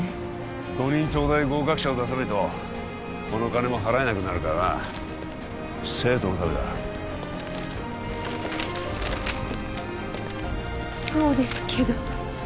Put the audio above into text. ５人東大合格者を出さないとこの金も払えなくなるからな生徒のためだそうですけど